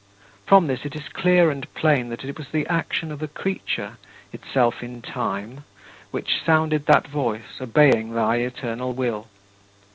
From this it is clear and plain that it was the action of a creature, itself in time, which sounded that voice, obeying thy eternal will.